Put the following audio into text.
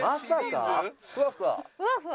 ふわふわ？」